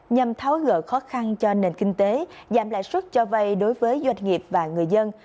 nhằm tháo gỡ khó khăn cho nền kinh tế giảm lại suất cho vay đối với doanh nghiệp và người dân